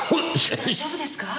大丈夫ですか？